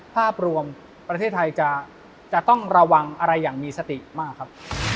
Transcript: ภาพรวมประเทศไทยจะต้องระวังอะไรอย่างมีสติมากครับ